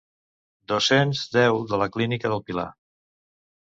Dos-cents deu de la clínica del Pilar.